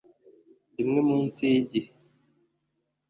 rimwe munsi yigihe,